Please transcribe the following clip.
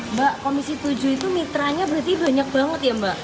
mbak komisi tujuh itu mitranya berarti banyak banget ya mbak